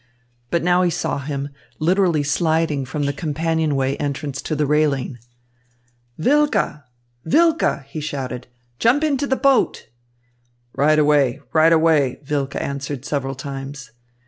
But now he saw him, literally sliding from the companionway entrance to the railing. "Wilke! Wilke!" he shouted. "Jump into the boat!" "Right away, right away," Wilke answered several times.